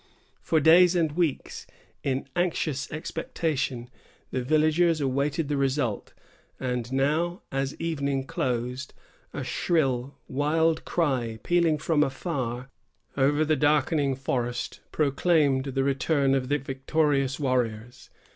For days and weeks, in anxious expectation, the villagers awaited the result. And now, as evening closed, a shrill, wild cry, pealing from afar, over the darkening forest, proclaimed the return of the victorious warriors.